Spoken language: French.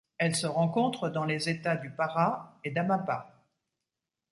Elle se rencontre dans les États du Pará et d'Amapá.